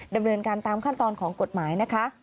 ดำเนินการตามขั้นตอนของกฎหมายนะคะ